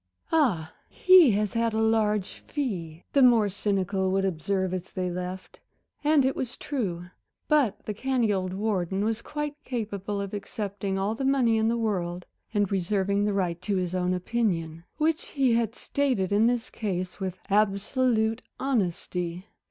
"Ah, he has had a large fee," the more cynical would observe as they left, and it was true. But the canny old warden was quite capable of accepting all the money in the world, and reserving the right to his own opinion, which he had stated in this case with absolute honesty.